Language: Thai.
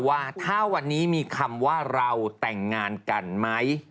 ว่าถ้าวันนี้มีคำว่าเราแต่งงานกันไหม